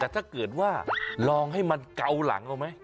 แต่ถ้าเกิดว่าลองให้มันเกาหลังเอาไหม